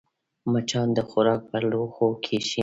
مچان د خوراک پر لوښو کښېني